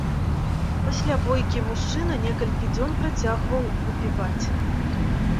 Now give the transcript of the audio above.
Пасля бойкі мужчына некалькі дзён працягваў выпіваць.